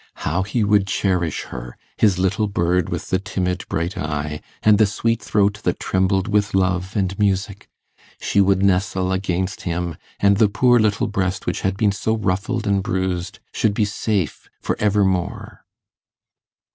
How he would cherish her his little bird with the timid bright eye, and the sweet throat that trembled with love and music! She would nestle against him, and the poor little breast which had been so ruffled and bruised should be safe for evermore.